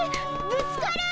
ぶつかる！